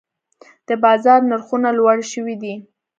د بازار نرخونه لوړې شوي دي.